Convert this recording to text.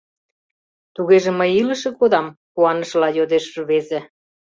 — Тугеже мый илыше кодам? — куанышыла йодеш рвезе.